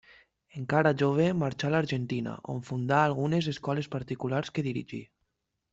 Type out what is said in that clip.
Encara jove, marxà a l'Argentina, on fundà algunes escoles particulars que dirigí.